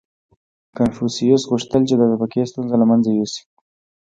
• کنفوسیوس غوښتل، چې د طبقې ستونزه له منځه یوسي.